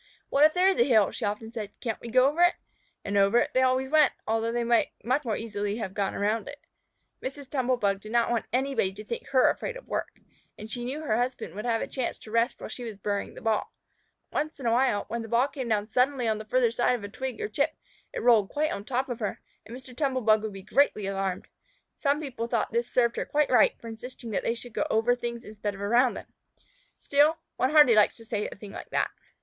"What if there is a hill?" she often said. "Can't we go over it?" And over it they always went, although they might much more easily have gone around it. Mrs. Tumble bug did not want anybody to think her afraid of work, and she knew her husband would have a chance to rest while she was burying the ball. Once in a while, when the ball came down suddenly on the farther side of a twig or chip, it rolled quite on top of her, and Mr. Tumble bug would be greatly alarmed. Some people thought this served her quite right for insisting that they should go over things instead of around them. Still, one hardly likes to say a thing like that.